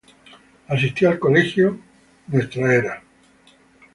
Asistió al Colegio Nuestra Sra.